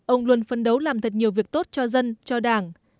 ông luôn phấn đấu làm thật nhiều việc tốt cho dân cho đảng